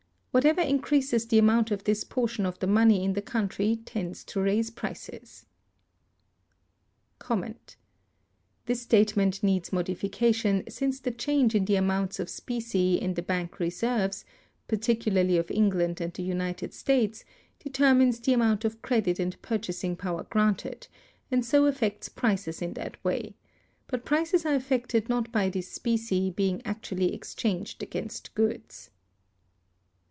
Whatever increases the amount of this portion of the money in the country tends to raise prices. This statement needs modification, since the change in the amounts of specie in the bank reserves, particularly of England and the United States, determines the amount of credit and purchasing power granted, and so affects prices in that way; but prices are affected not by this specie being actually exchanged against goods.